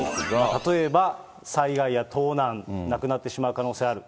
例えば災害や盗難、なくなってしまう可能性ある。